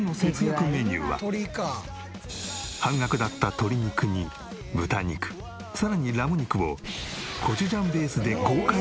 半額だった鶏肉に豚肉さらにラム肉をコチュジャンベースで豪快に味付けしたら。